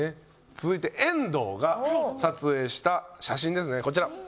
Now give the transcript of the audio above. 続いて遠藤が撮影した写真ですねこちら。